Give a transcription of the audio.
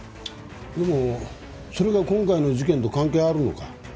でもそれが今回の事件と関係あるのか？